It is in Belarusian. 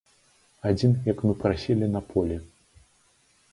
Адзін, як мы прасілі, на полі.